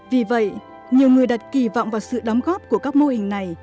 vì vậy nhiều người đặt kỳ vọng vào sự đóng góp của các mô hình này